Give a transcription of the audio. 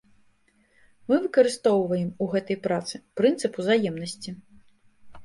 Мы выкарыстоўваем у гэтай працы прынцып узаемнасці.